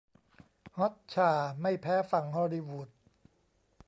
ฮอตฉ่าไม่แพ้ฝั่งฮอลลีวูด